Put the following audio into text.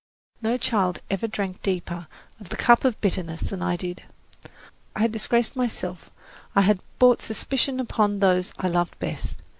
No child ever drank deeper of the cup of bitterness than I did. I had disgraced myself; I had brought suspicion upon those I loved best.